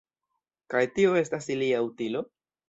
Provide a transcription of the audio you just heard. Kaj tio estas ilia utilo?